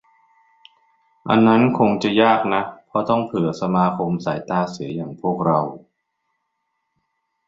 อันนั้นคงจะยากนะ เพราะต้องเผื่อสมาคมสายตาเสียอย่างพวกเรา